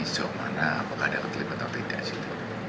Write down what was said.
sejauh mana apakah ada ketelipan atau tidak